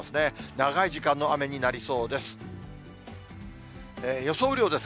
長い時間の雨になりそうです。